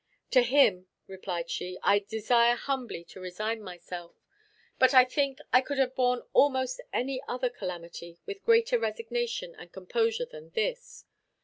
"To him," replied she, "I desire humbly to resign myself; but I think I could have borne almost any other calamity with greater resignation and composure than this.